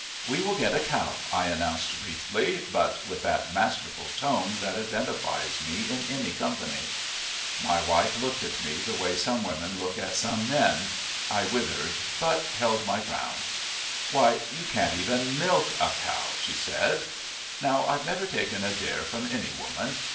"We will get a cow," I announced briefly, but with that masterful tone that identifies me in any company. My wife looked at me, the way some women look at some men. I withered but held my ground. "Why, you can't even milk a cow!" she said. Now, I've never taken a dare from any woman.